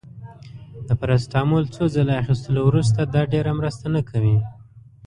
د پاراسټامول څو ځله اخیستلو وروسته، دا ډیره مرسته نه کوي.